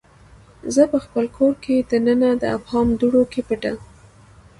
زه پخپل کور کې دننه د ابهام دوړو کې پټه